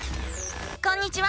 こんにちは！